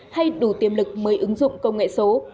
hay đủ tiềm lực mới ứng dụng công nghệ số